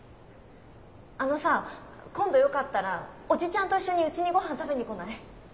あのさ今度よかったらおじちゃんと一緒にうちにごはん食べに来ない？